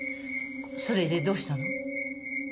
それでどうしたの？